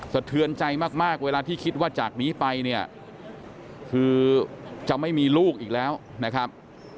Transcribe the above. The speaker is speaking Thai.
สะเทือนใจมากเวลาที่คิดว่าจากนี้ไปเนี่ยคือจะไม่มีลูกอีกแล้วนะครับ